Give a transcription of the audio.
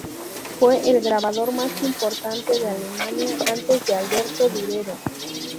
Fue el grabador más importante de Alemania antes de Alberto Durero.